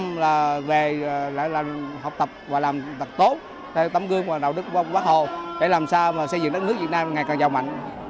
chúng tôi rất quyết tâm về học tập và làm tập tốt tấm gương và đạo đức của quốc hồ để làm sao xây dựng đất nước việt nam ngày càng giàu mạnh